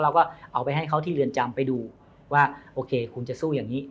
เราก็เอาไปให้เขาที่เรือนจำไปดูว่าโอเคคุณจะสู้อย่างนี้